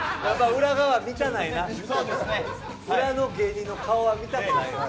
裏の芸人の顔は見たくないな。